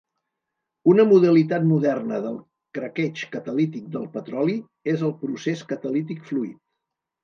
Una modalitat moderna de craqueig catalític del petroli és el procés catalític fluid.